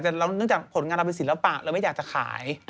แต่เนื่องจากผลงานเราเป็นศิลปะเราไม่อยากจะขาย